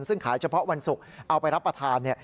ซึ่งขายเฉพาะวันศุกร์เอาไปรับประทาน